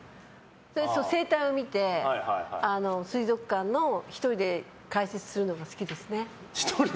生態を見て、水族館の１人で解説するのが好きですね。